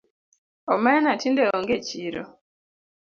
Omena tinde ong’e e chiro